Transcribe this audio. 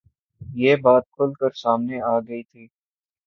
یہ بات کُھل کر سامنے آ گئی تھی